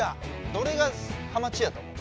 どれがハマチやと思う？